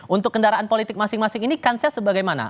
untuk kendaraan politik masing masing ini kansnya sebagaimana